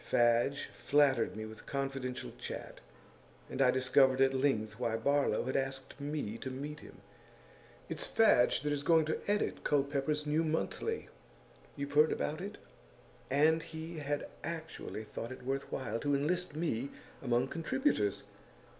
Fadge flattered me with confidential chat, and I discovered at length why Barlow had asked me to meet him; it's Fadge that is going to edit Culpepper's new monthly you've heard about it? and he had actually thought it worth while to enlist me among contributors!